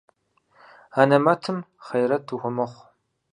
Анэмэтым хъейрэт ухуэмыхъу.